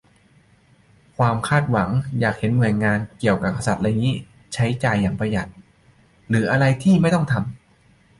ความคาดหวังอยากเห็นหน่วยงานเกี่ยวกับกษัตริย์ไรงี้ใช้จ่ายอย่างประหยัด หรืออะไรที่ไม่ต้องทำ